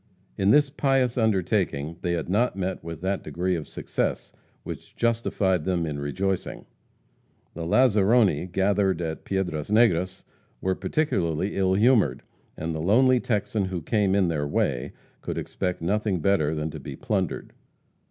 In this pious undertaking they had not met with that degree of success which justified them in rejoicing. The lazaroni, gathered at Piedras Negras, were particularly ill humored, and the lonely Texan who came in their way could expect nothing better than to be plundered.